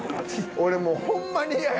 俺もうホンマに嫌や。